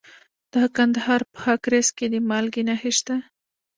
د کندهار په خاکریز کې د مالګې نښې شته.